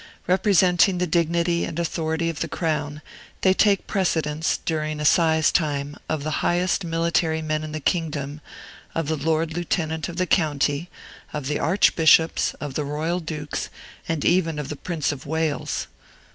Representing the dignity and authority of the Crown, they take precedence, during assize time, of the highest military men in the kingdom, of the Lord Lieutenant of the county, of the Archbishops, of the royal Dukes, and even of the Prince of Wales.